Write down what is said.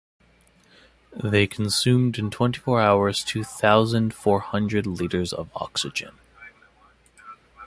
They consumed in twenty-four hours two thousand four hundred liters of oxygen.